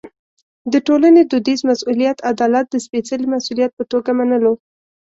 د ټولنې دودیز مسوولیت عدالت د سپېڅلي مسوولیت په توګه منلو.